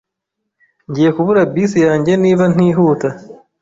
Ngiye kubura bisi yanjye niba ntihuta.